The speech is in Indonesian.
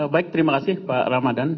baik terima kasih pak ramadan